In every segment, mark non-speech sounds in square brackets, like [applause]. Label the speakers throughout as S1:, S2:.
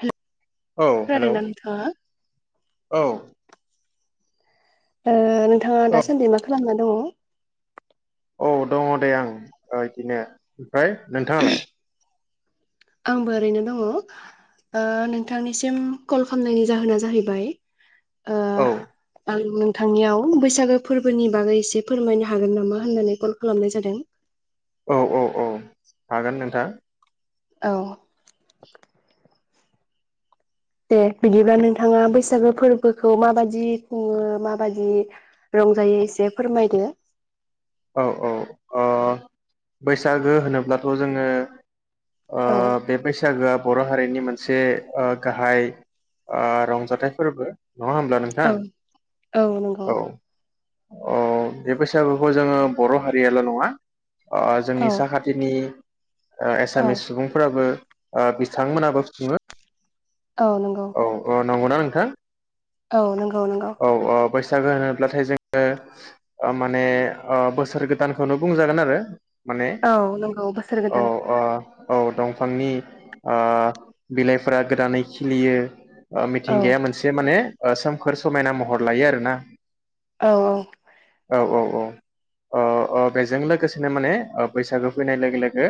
S1: होम
S2: औ हेलौ
S1: खोनादों ना नोंथाङा?
S2: औ।
S1: ओ नोंथाङा
S2: औ
S1: दासान्दि मा खालामनानै हेल
S2: औ दङ दे आं ओ बिदिनो ओमफ्राय नोंथाङालाय?
S1: आंबो ओरैनो दङ ओ नोंथांनिसिम कल खालामनायनि जाहोना जाहैबाय ओ
S2: औ
S1: आं नों थांनियाव बैसागो फोरबोनि बागै एसे फोरमायनो हागोन नामा होननानै कल खालामनाय जादों
S2: औ औ औ हागोन नोंथां
S1: औ दे बिदिब्ला नोंथाङा बैसागो फोरबोखौ माबादि खुङो माबादि रंजायो एसे फोरमायदो।
S2: औ औ ओ बैसागो होनोब्लाथ जोङो ओ
S1: औ
S2: बे बैसागोआ बर हारिनि मोनसे ओ गाहाय रंजाथाइ फोर्बो।
S1: औ औ नंगौ।
S2: अ बे बैसागो खौ जोङो बर' हारियाल' नङा। ओ
S1: औ
S2: जोंनि साखाथिनि ओ
S1: औ
S2: एसामिस सुबुंफोराबो ओ बिथांमोनाबो खुङो।
S1: औ नंगौ
S2: औ औ नंगौना नोंथां?
S1: औ नों
S2: औ औ। बैसागो होनोब्लाथाय जोङो माने ओ बोसोर गोदानखौनो बुंजागोन आरो माने
S1: औ नंगौ बोसोर
S2: औ
S1: गोदान
S2: ओ औ दंफांनि बिलाइफोरा गोदानै खिलियो ओ
S1: औ
S2: मिथिंगाया मोनसे माने ओ सोमखोर समायना महर लायो आरोना
S1: औ औ।
S2: औ औ औ ओ बेजों लोगोसेनो माने बैसागो फैनाय लोगो लोगो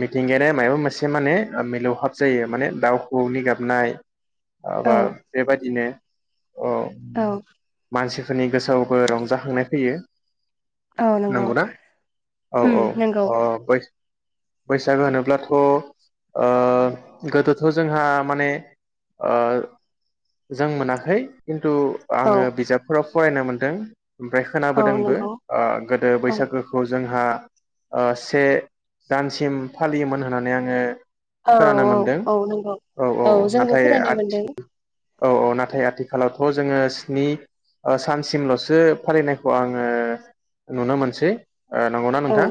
S2: मिथिंगायाया माबाबा मोनसे माने मिलौहाब जायो माने दाउ हवौनि गाबनाय
S1: औ
S2: ओबा बेबायदिनो औ
S1: औ
S2: मानसि फोरनि गोसोआवबो रंजाखांनाय फैयो
S1: औ नंगौ
S2: नंगौनाा औ
S1: उम नंगौ
S2: औ बै बैसागो होनोब्लाथ' ओ गोदोथ' जोंहा माने ओ जों मोनाखै दं
S1: औ
S2: आङो बिजाबफोराव फरायनो मोनदों ओमफ्राय
S1: औ
S2: खोनाबोदोंबो
S1: नंगौ
S2: ओ गोदो
S1: औ
S2: बैसागोखौ जोंहा ओ से दानसिम फालियोमोन होननानै आङो
S1: औ
S2: खोनानो
S1: औ
S2: मोनदों
S1: औ नोंगौ औ जोंबो फरायनो मोनदों
S2: औ औ नाथाय आथि खालावथ' जोङो स्नि ओ सानसिमल'सो फालिनायखौ आङो नुनो मोनसै। ओ नंगौना
S1: औ
S2: नोंथां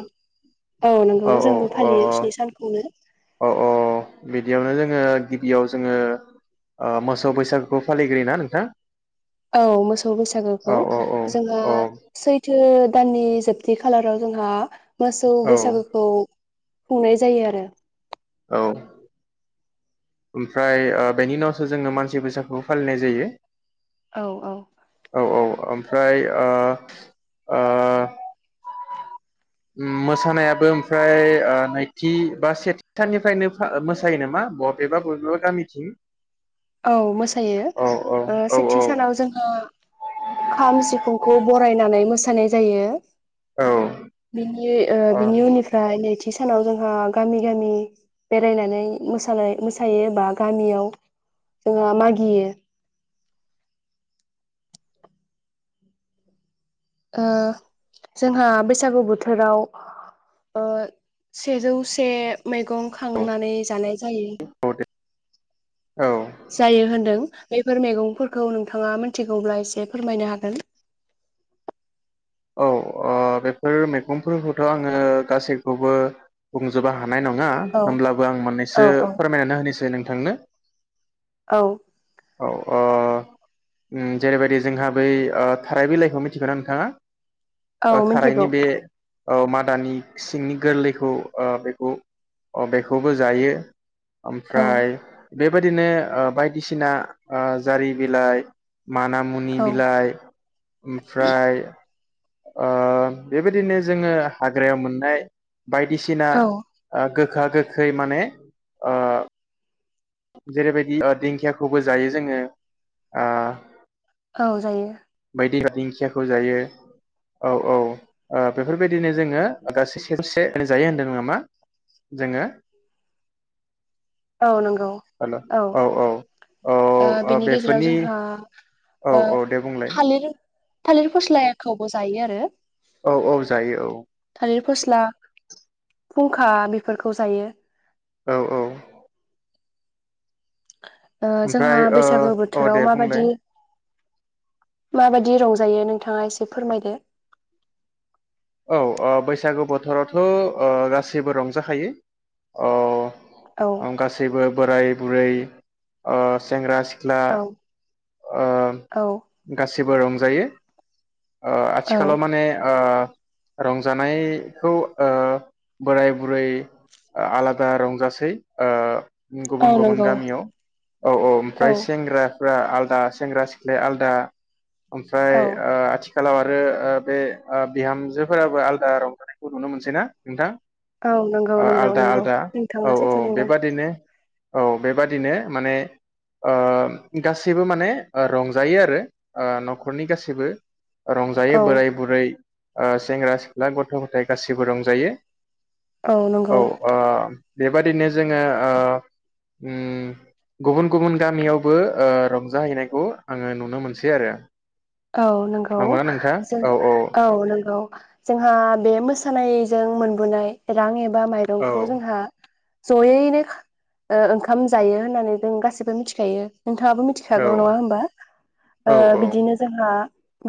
S1: औ नंगौ जोंबो फालियो स्नि सानखौनो।
S2: अ औ बिदियावनो जोङो गिबियाव जोङो ओ मोसौ बैसागुखौ फालिग्रोयो ना नोंथां?
S1: औ मोसौ
S2: औ
S1: बैसागोखौ
S2: औ औ
S1: जोंहा
S2: औ
S1: सैथो दाननि जोबथि खालाराव जोंहा मोसौ
S2: औ
S1: बैसागोखौ खुंनाय जायो आरो।
S2: औ ओमफ्राय ओ बेनि उनावसो जोंनो मानसि बैसागुखौ फालिनाय जायो
S1: औ औ
S2: औ औ ओमफ्राय ओ ओ मोसानायाबो ओमफ्राय ओ नैथि बा सेथि थाननिफ्रायनो मोसायो नामा बबेबा बबेबा गामिथिं
S1: औ मोसायो
S2: औ औ
S1: ओ
S2: औ औ
S1: सेथि सानाव जोंहा खाम सिफुंखौ बरायनानै मोसानाय जायो
S2: औ
S1: बिनि ओ उननिफ्राय नैथि बे सानाव जोंहा गामि गामि बेरायनानै मोसानाय मोसायो एबा गामियाव जोंहा मागियो। ओ जोंहा बैसागु बोथोराव ओ सेजौसे मैगं
S2: औ
S1: खांनानै जानाय जायो
S2: औ दे औ
S1: जायो होनदों बेफोर मैगंफोरखौ नोंथाङा मिथिगौब्ला एसे फोरमायनो हागोन
S2: औ ओ बेफोर मैगंफोरखौथ आङो गासैखौबो बुंजोबा हानाय नङा
S1: औ
S2: होमब्लाबो आं
S1: औ
S2: मोननैसो
S1: औ
S2: फोरमायनानै होनोसै नों थांनो
S1: औ
S2: औ ओ ओम जेरैबायदि जोंहा बै ओ थाराय बिलाइखौ मिथिगौ ना नोंथाङा? ओ
S1: औ
S2: थारायनि
S1: मिथिगौ
S2: बे औ मादानि सिंनि गोरलैखौ ओ बेखौ अ बेखौबो जायो
S1: औ
S2: ओमफ्राय बेबायदिनो ओ बायदिसिना ओ जारि बिलाइ माना मुनि बिलाइ ओमफ्राय ओ बेबायदिनो जोङो हाग्रायाव मोननाय बायदिसिना
S1: औ
S2: ओ गोखा गोखै माने ओ जेरैबायदि ओ दिंखियाखौबो जायो जोङो आ
S1: औ जायो।
S2: [unintelligible] दिंखियाखौ‌ जायो ओ बेफोरबायदिनो जोङो [unintelligible] जायो होनदों नामा जोङो?
S1: औ नंगौ औ
S2: औ
S1: ओ
S2: औ
S1: बेनि गेजेराव
S2: बेफोरनि
S1: जोंहा
S2: औ
S1: ओ
S2: दे बुंलाय
S1: थालिरि थालिर फस्लायाखौबो जायो आरो
S2: औ औ जायो औ
S1: थालिर फस्ला फुंखा बेफोरखौ जायो
S2: औ औ
S1: ओ जोंहा
S2: ओमफ्राय ओ
S1: बैसागो
S2: औ दे बुंलाय
S1: माबायदि रंजायो नोंथाङा एसे फोरमायदो।
S2: औ ओ बैसागु बोथोरावथ ओ गासैबो रंजाखायो ओ
S1: औ
S2: अं गासैबो बोराय बुरै ओ सेंग्रा सिख ला
S1: औ
S2: ओ
S1: औ
S2: गास सिबो रंजायो ओ
S1: औ
S2: आथिखालाव माने ओ रंजानायखौ ओ बोराय बुरै आलादा रंजासै ओ गुबुन
S1: औ
S2: गुबुन
S1: नंगौ
S2: गामियाव औ औ ओमफ्राय सेंग्रा [inaudible] दा सेंग्रा सिख्लाया आलदा ओमफ्राय
S1: औ
S2: ओ आथि खालाव आरो ओ बे ओ बिहामजोफोराबो आलदा रंजानायखौ नुनो मोनसैना नोंथां।
S1: औ नंगौ
S2: ओ
S1: नंगौ
S2: आलदा
S1: नंगौ
S2: आलदा औ
S1: नोंथाङा
S2: औ
S1: सैथो बुंदों।
S2: बेबादिनो औ बेबादिनो माने ओ गासै बेबो माने ओ रंजायो आरो ओ न'खरनि गासैबो। रंजायो
S1: औ
S2: बोराय बुरै ओ सेंग्रा सिख्ला गथ' गथाय गासिबो रंजायो। औ ओ बेबादिनो जोङो ओ उम गुबुन गुबुन गामियावबो ओ रंजाहैनायखौ आंङो नुनो मोनसै आरो
S1: औ नंगौ
S2: नंगौना नोंथां
S1: जों
S2: औ
S1: औ नंगौ जोंहा बे मोसानाय नों मोनबोनाय रां एब बा
S2: औ
S1: माइरंखौ जोंहा जयैनो खो ओ ओंखाम जायो होननानै जों गासिबो मिथिखायो नोंथाङाबो
S2: औ
S1: मिथिखागौ नङा होमबा ओ
S2: औ
S1: बिदिनो‌ ओहा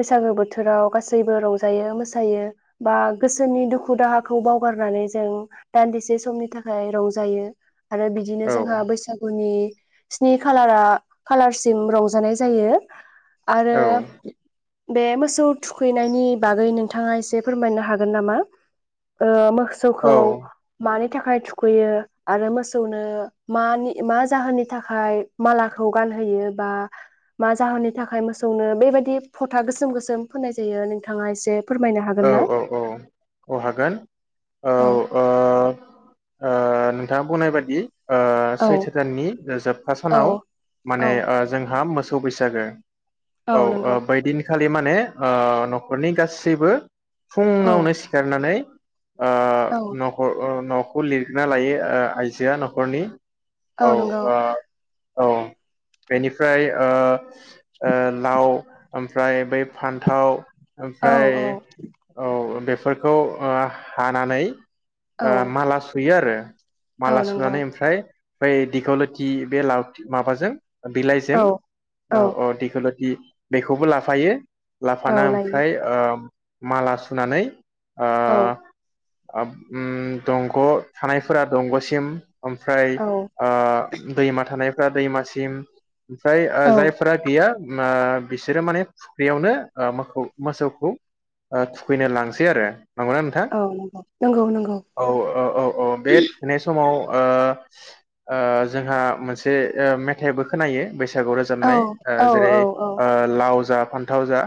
S1: बैसागो बोथोराव गासैबो रंजायो मोसायो बा गोसोनि दुखु दाहाखौ बावगारनानै जों दान्दिसे समनि थाखाय रंजायो। आरो बिदिनो
S2: औ
S1: जोंहा बैसागुनि स्नि खालारा खालारसिम रंजानाय जायो। आरो बे मोसौ थुखैनायनि बागै नोंथाङा एसे फोरमायनो हागोन नामा ओ मो सौखौ मानो थाखाय थुखैयो आरो मोसौनो मानि मा जाहोननि थाखाय मालाखौ गानहोयो बा मा जाहोननि थाखाय मोसौनो बेबाय बे फथा गोसोम गोसोम फोननाय जायो नोंथाङा एसे फोरमायनो
S2: औ
S1: हागोन ना?
S2: औ औ औ हागोन औ ओ ओ नोंथाङा बुंनाय बादि ओ
S1: औ
S2: सैथो दाननि जोबथा सानाव
S1: औ
S2: माने
S1: औ
S2: ओ जोंहा मोस खौ बैसागो औ ओ बैदिनखालि माने ओ नखरनि गासैबो
S1: औ
S2: फुंङावनो सिखारनानै ओ
S1: औ
S2: न'खर ओ न'ख खौ लिरना लायो ओ आइजोआ न'खरनि औ
S1: ओउ नंगौ।
S2: ओ औ बेनिफ्राय ओ ओ लाव ओमफ्राय बै फान्थाव
S1: औ औ
S2: ओउ बेफोरखौ ओ हानानै
S1: औ
S2: ओ माला सुयो आरो
S1: औ
S2: माला
S1: नंगौ
S2: सुनानै ओमफ्राय बैदिखौ लोति बे लावथि माबाजों बिलाइजों
S1: औ
S2: औ औ दैखोल इ बेखौबो लाफायो
S1: औ
S2: लाफाना
S1: लायो
S2: ओमफ्राय ओ माला सुनानै
S1: औ
S2: आप ओम दंग' थानायफोरा दंग'सिम ओमफ्राय
S1: औ
S2: ओ दैमा थानाय फोरा दैमासिम ओमफ्राय ओ
S1: औ
S2: जायफोरा गैया ओ बिसोरो माने फुख्रियावनो ओ मोखौ मोसौखौ ओ थुखैनो लांसै आरो नंगौना नोंथा
S1: औ नंगौ नंगौ नंगौ
S2: औ औ औ औ बे फुनाय समाव ओ ओ जोंहा मोनसे ओ मेथाइबो खोनायो बैस औ रोजाबनाय
S1: औ
S2: जेरै
S1: औ औ
S2: ओ लावजाब फन्थाव जा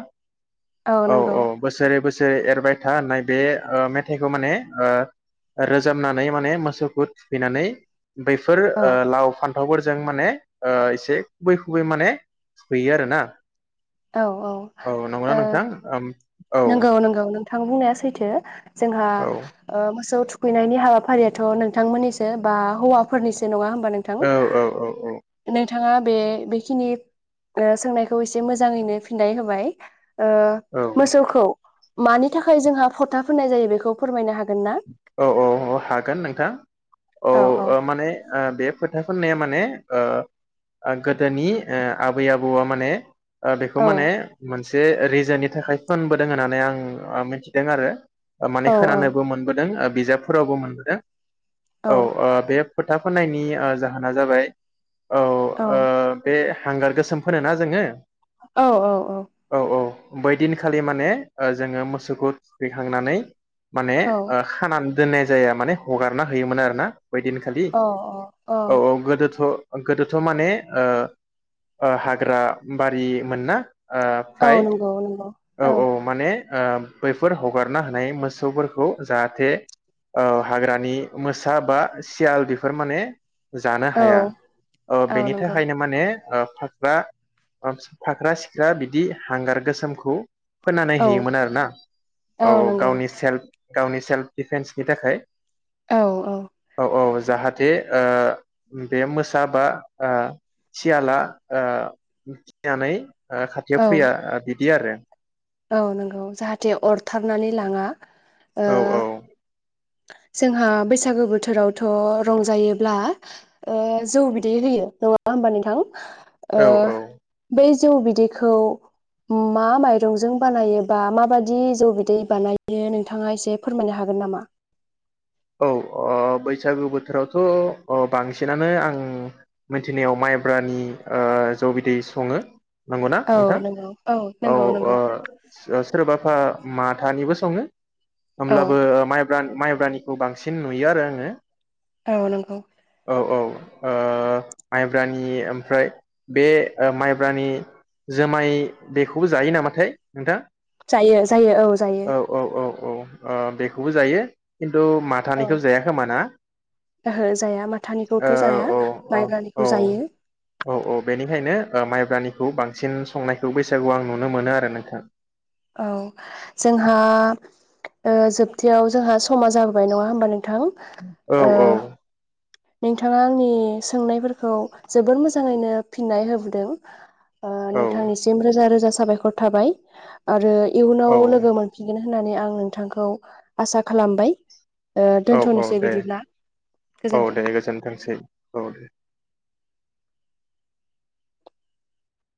S1: औ नंगौ
S2: बोसो एरबाय था होननाय बे ओ मेथाइखौ माने ओ रोजाबनानै माने मोसौखौ थुखैनानै बैफोर
S1: औ
S2: ओ लाव फान फथावफोरजों माने एसे खुबै खुबै माने हैयो आरो ना औ नंगौना
S1: ओ
S2: नोंथां ओम औ
S1: नंगौ नंगौ नोंथा आं बुंनाया सैथो जोंहा
S2: औ
S1: ओ मोसौ थु खैनायनि हाबाफारियाथ नोंथांमोननिसो बा हौवाफोरनिसो नङा नोंथां
S2: औ औ औ औ
S1: नोंथाङा बे बेखिनि ओ सोंनायखौ एसे मोजाङैनो फिननाय होबाय
S2: औ
S1: औ मानि थाखाय जोंहा फथा फोननाय जायो बेखौ फोरमायनो हागोन ना
S2: औ औ हागोन नोंथां औ ओ माने बे फोथाफोरनाया माने ओ गोदोनि ओ आबै आबौआ माने ओ बेखौ
S1: औ
S2: माने मोनसे दे रिजोननि थाखाय फोनबोदों होननानै आं मिथिदों आरो माने
S1: औ
S2: खोनानोबो मोनबो दों बिजाबफोरावबो मोनबोदों औ ओ बेब फोथा फोनायनि ओ जाहोना जाबाय औ ओ बे हांगार गोसोम फोनो ना जोङो
S1: औ औ औ
S2: बैदिनखालि माने ओ जोङो मोसौखौ थुखैखांनानै माने ओखानान दोननाय जाया माने हगारना होयोमोन आरोना बै दिनखालि?
S1: औ
S2: औ औ गोदोथ' गोदोथ' माने ओ ओ हाग्रा बारिमोन ना? ओ
S1: औ
S2: फ्राय
S1: नंगौ नंगौ
S2: औ औ माने ओ बैफोर हगारना होनाय मोसौफोरखौ जाहाथे अ हाग्रानि मोसा बा सियाल बेफोर माने जानो
S1: औ
S2: हाया अ बेनि
S1: नंगौ
S2: थाखायनो माने अ फाख्रा फाख्रा सिख्रा बिदि हांगार गोसोमखौ फोनानै
S1: औ
S2: हैयोमोन आरोना औ गावनि सेल्फ गावनि सेल्फ डिफेन्सनि थाखाय
S1: औ औ।
S2: औ जाहाथे ओ बे मोसा बा ओ सियाला ओ थिनानै आ
S1: औ
S2: खाथियाव फैया आदित दि आरो
S1: औ नोंगौ जाहाथे अरथारनानै लाङा। ओ
S2: औ औ।
S1: जोंहा बैसागो बोथोरावथ' रंजायोब्ला ओ जौ बिदै होयो नङा होमबा नोंथां? ओ
S2: औ औ
S1: बे जौ बिदैखौ मा माइरंजों बानायो बा माबादि जौ बिदै बानायो नोंथाङा एसे फोरमायनो हागोन नामा?
S2: औ अ बैसागु बोथोरावथ' अ बांसिनानो आं मिथिनायाव माइब्रानि ओ जौ बिदै सङो। नंगौना
S1: औ
S2: नोंथां
S1: नंगौ
S2: औ
S1: नंगौ
S2: औ ओ
S1: नंगौ
S2: सो- सोरबाफा माथानिबो सङो
S1: औ
S2: होमब्लाबो माइ ब्रान्द माइब्रानि बांसिन नुयो आरो आङो।
S1: औ नंगौ।
S2: औ औ ओ माइब्रानि ओमफ्राय बे माइब्रानि जोमाय बेखौबो जायो नामाथाय नोंथां?
S1: जायो जायो औ जायो‌।
S2: औ औ औ अ बेखौबो जायो खिन तु
S1: औ
S2: माथानिखौ जाया खोमा ना
S1: ओहो जाया
S2: औ
S1: माथानिखौथ' जाया
S2: औ औ
S1: माइब्रानिखौ
S2: औ
S1: जायो
S2: औ औ बेनिखायनो माइब्रानिखौ बांसिन संनायखौ बैसागु आं नुनो मोनो आरो नोंथां।
S1: औ जोंहा ओ जोबथायाव जोंहा समा जाबोबाय नङा होमबा नों थां
S2: औ
S1: ओ नोंथाङा आंनि सोंनायफोरखौ जोबोर मोजाङैनो फिननाय होबोदों। अ
S2: औ
S1: नोंथांनिसिम रोजा रोजा साबायखर थाबाय आरै इयुनाव
S2: औ
S1: लोगो मोनफिगोन होननानै आं नोंथांखौ आसा खालामबाय। ओ
S2: औ औ
S1: दोनथनोसै बिदिब्ला गोजोन्थों
S2: दांनोसै औ दे